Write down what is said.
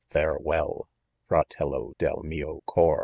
farewell. Frdtello del mio cor.